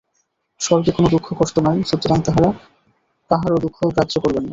স্বর্গে কোন দুঃখ-কষ্ট নাই, সুতরাং তাঁহারা কাহারও দুঃখ গ্রাহ্য করেন না।